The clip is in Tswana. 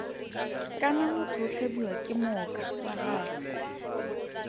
Kana motho o tlhabiwa ke mooka wa gagwe.